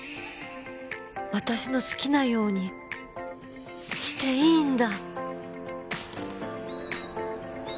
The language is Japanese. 私の好きなようにしていいんだ